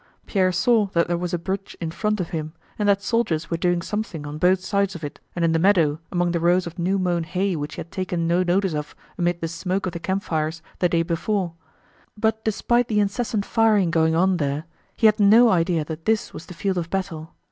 Pierre saw that there was a bridge in front of him and that soldiers were doing something on both sides of it and in the meadow, among the rows of new mown hay which he had taken no notice of amid the smoke of the campfires the day before; but despite the incessant firing going on there he had no idea that this was the field of battle.